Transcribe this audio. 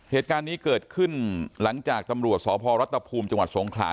เหตุการณ์นี้เกิดขึ้นหลังจากตำรวจสพรัฐภูมิจังหวัดสงขลา